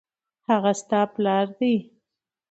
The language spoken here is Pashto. هغه ستا پلار دی